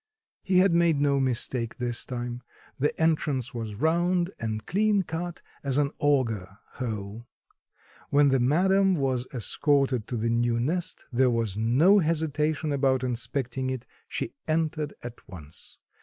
He had made no mistake this time, the entrance was round and clean cut as an augur hole. When the madam was escorted to the new nest there was no hesitation about inspecting it; she entered at once.